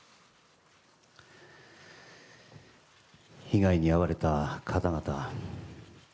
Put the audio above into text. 被害に遭われた方々